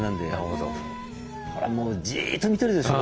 ほらもうじっと見てるでしょ